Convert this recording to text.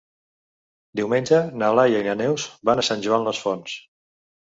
Diumenge na Laia i na Neus van a Sant Joan les Fonts.